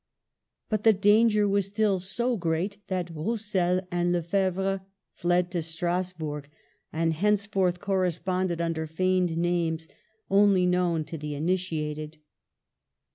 But the danger ::was still so great that Roussel and Lefebvre ^fled to Strasburg, and henceforth corresponded under feigned names, only known to the initiated.